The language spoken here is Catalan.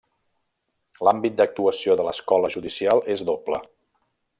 L'àmbit d'actuació de l'Escola Judicial és doble.